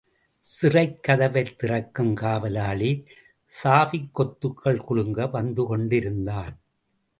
சிறைக் கதவைத் திறக்கும் காவலாளி சாவிக்கொத்துகள் குலுங்க வந்துகொண்டு இருந்தான்.